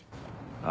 あ。